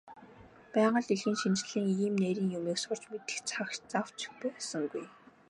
Байгаль дэлхийн шинжлэлийн ийм нарийн юмыг сурч мэдэх цаг зав ч байсангүй.